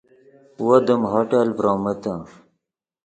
وو دیم ہوٹل ڤرومیتے